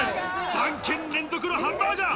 ３軒連続のハンバーガー。